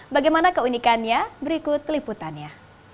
bagaimana keunikannya berikut liputannya